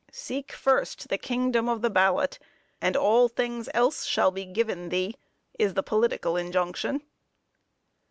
Seek first the kingdom of the ballot, and all things else shall be given thee, is the political injunction.